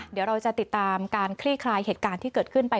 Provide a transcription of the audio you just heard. เดี๋ยวเราจะติดตามการคลี่คลายเหตุการณ์ที่เกิดขึ้นไป